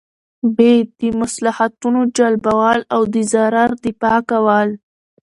ب : د مصلحتونو جلبول او د ضرر دفعه کول